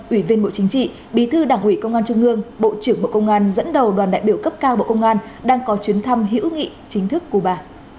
ủy viên bộ chính trị bí thư đảng ủy công an trung ương bộ trưởng bộ công an dẫn đầu đoàn đại biểu cấp cao bộ công an đang có chuyến thăm hữu nghị chính thức cuba